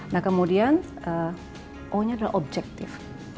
nah kemudian o nya adalah objektif